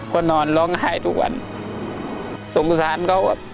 คนอ่อนร้องหายทุกวันสงสารเขา